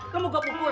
lo mau gue pukul